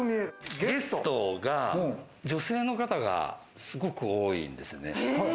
ゲストが女性の方がすごく多いんですね。